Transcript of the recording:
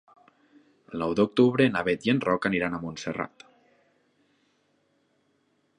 El nou d'octubre na Bet i en Roc aniran a Montserrat.